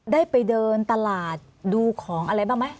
ได้ไปเดินตลาดดูของอะไรบ้างไหม